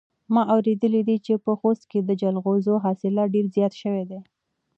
ما اورېدلي دي چې په خوست کې د جلغوزیو حاصلات ډېر زیات شوي دي.